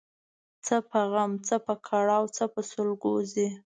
څه په غم ، څه په کړاو څه په سلګو ځي